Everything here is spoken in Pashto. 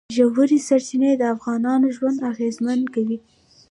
ژورې سرچینې د افغانانو ژوند اغېزمن کوي.